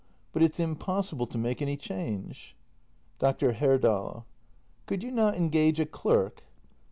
But it's impossible to make any change. Dr. Herdal. Could you not engage a clerk